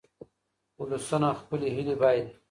ولسونه خپلې هیلې بایلي.